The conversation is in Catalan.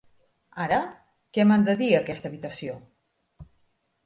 Ara, què m'ha de dir aquesta habitació?